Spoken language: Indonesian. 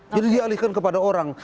jadi dialihkan kepada orang